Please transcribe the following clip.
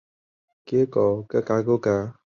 新科普是荷兰南荷兰省的一个基层政权。